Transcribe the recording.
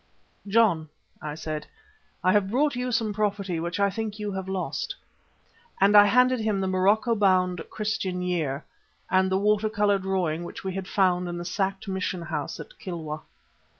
"John," I said, "I have brought you some property which I think you have lost," and I handed him the morocco bound Christian Year and the water colour drawing which we had found in the sacked mission house at Kilwa.